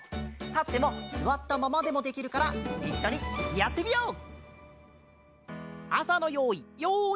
たってもすわったままでもできるからいっしょにやってみよう！